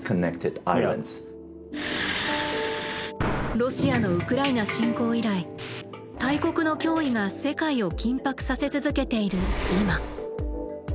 ロシアのウクライナ侵攻以来大国の脅威が世界を緊迫させ続けている今。